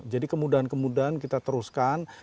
jadi kemudahan kemudahan kita teruskan